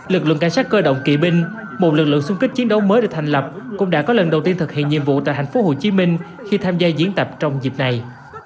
lực lượng cảnh sát cơ động kỵ binh một lực lượng xung kích chiến đấu mới được thành lập cũng đã có lần đầu tiên thực hiện nhiệm vụ tại thành phố hồ chí minh khi tham gia diễn tập trong dịp này